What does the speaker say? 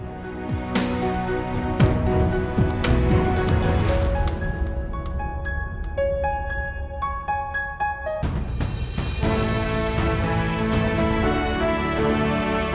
tewas sekali juga gambarnya